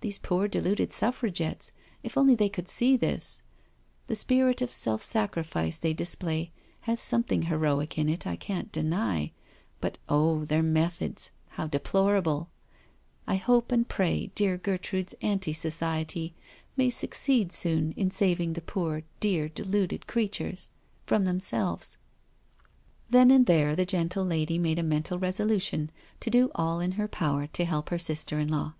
These poor deluded Suffragettes, if only they could see this I The spirit of self sacrifice they display has something heroic in it, I can't deny, but oh I their methods, how de plorable I I hope and pray dear Gertrude's Anti Society may succeed soon in saving the poor, dear deluded creatures from themselves.'* Then and there the gentle lady made a mental resolution to do all in her power to help her sister in law.